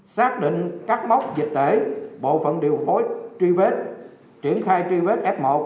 xác định các mốc dịch tễ bộ phận điều phối tri vết triển khai tri vết f một